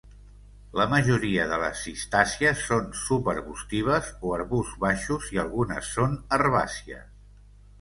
La majoria de les cistàcies són subarbustives o arbusts baixos i algunes són herbàcies.